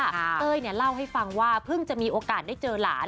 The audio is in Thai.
เต้ยเล่าให้ฟังว่าเพิ่งจะมีโอกาสได้เจอหลาน